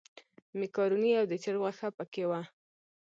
مېکاروني او د چرګ غوښه په کې وه.